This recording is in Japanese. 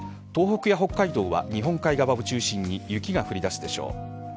東北や北海道は日本海側を中心に雪が降りだすでしょう。